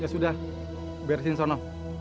ya sudah diberesin di sana